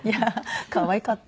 可愛かった。